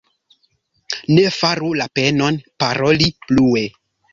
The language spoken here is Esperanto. Ne faru la penon, paroli plue.